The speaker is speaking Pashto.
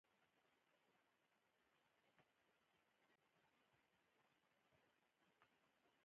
تایمنى د سلطان غیاث الدین معاصر وو.